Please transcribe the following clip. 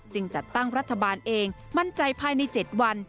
จัดตั้งรัฐบาลเองมั่นใจภายใน๗วัน